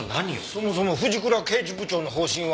そもそも藤倉刑事部長の方針は。